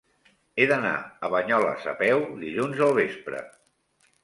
He d'anar a Banyoles a peu dilluns al vespre.